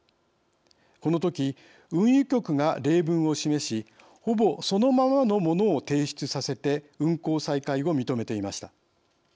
このとき運輸局が例文を示しほぼそのままのものを提出させて運航再開を認めていました。